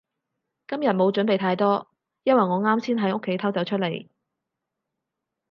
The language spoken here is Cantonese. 今日冇準備太多，因為我啱先喺屋企偷走出嚟